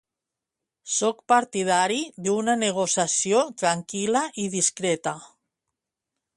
Soc partidari d'una negociació tranquil·la i discreta.